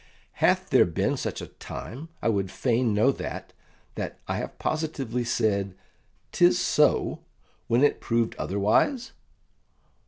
"Hath there been such a time, I would fain know that, that I have positively said ''Tis so' when it proved otherwise?"